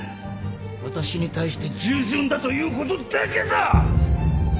私に対して従順だということだけだ！